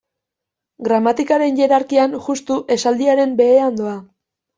Gramatikaren hierarkian justu esaldiaren behean doa.